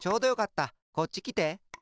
こっちきて。